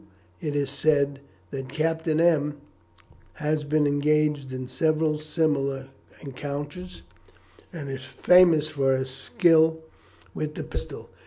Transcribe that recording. It is said that Captain M l has been engaged in several similar encounters, and is famous for his skill with the pistol.